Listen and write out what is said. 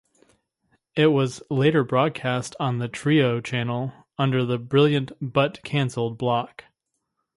It was later broadcast on the Trio channel, under the "Brilliant But Cancelled" block.